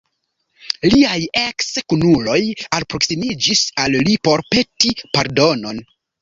Liaj eks-kunuloj alproksimiĝis al li por peti pardonon.